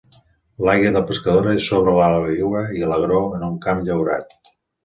L'àguila pescadora és sobre l'aigua i l'agró en un camp llaurat.